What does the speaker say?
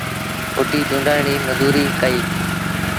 ڦٽيٚ چونڊڻ ريٚ مزوريٚ ڪئيٚ۔